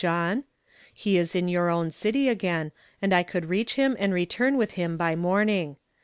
Tohn? He is in your own city again, and I could reach him and return with him by morning.